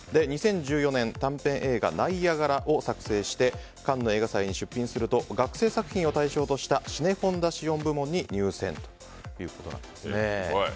２０１４年、短編映画の「ナイアガラ」を作成してカンヌ映画祭に出品すると学生を対象としたシネフォンダシヲン部門に入選ということです。